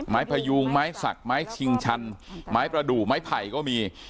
พยูงไม้สักไม้ชิงชันไม้ประดูกไม้ไผ่ก็มี